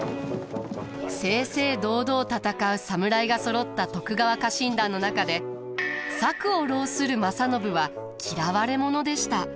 正々堂々戦う侍がそろった徳川家臣団の中で策を弄する正信は嫌われ者でした。